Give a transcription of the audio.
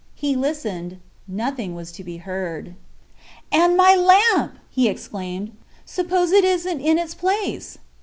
He listened—nothing was to be heard. "And my lamp!" he exclaimed; "suppose it isn't in its place!"